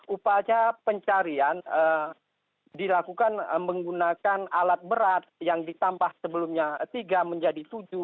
upaya pencarian dilakukan menggunakan alat berat yang ditambah sebelumnya tiga menjadi tujuh